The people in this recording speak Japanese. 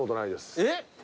えっ。